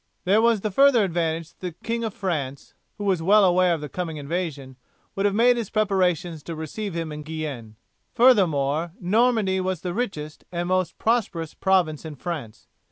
There was the further advantage that the King of France, who was well aware of the coming invasion, would have made his preparations to receive him in Guienne. Furthermore, Normandy was the richest and most prosperous province in France.